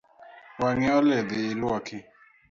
Wang’i olil dhi iluoki